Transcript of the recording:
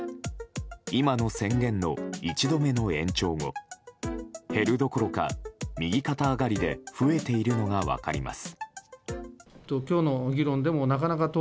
今の宣言の１度目の延長後減るどころか右肩上がりで増えているのが分かります。